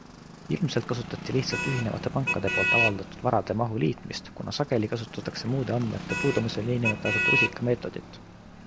Ilmselt kasutati lihtsalt ühinevate pankade poolt avaldatud varade mahu liitmist, kuna sageli kasutatakse muude andmete puudumisel nn. rusikameetodit.